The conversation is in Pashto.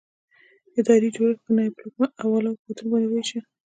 ادارې جوړښت یې په نائب الحکومه او اعلي حکومتونو باندې وویشه.